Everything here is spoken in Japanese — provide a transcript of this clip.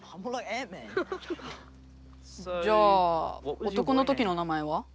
「じゃあ男のときの名前は？」。